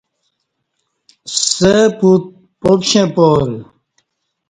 سہ پُت پاپشیں پار